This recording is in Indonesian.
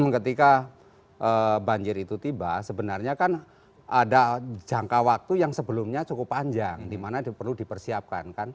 ketika banjir itu tiba sebenarnya kan ada jangka waktu yang sebelumnya cukup panjang di mana perlu dipersiapkan